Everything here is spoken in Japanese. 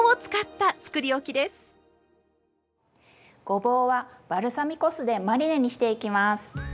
ごぼうはバルサミコ酢でマリネにしていきます。